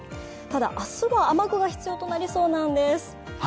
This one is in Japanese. ただ、明日は雨具が必要となりそうなんです。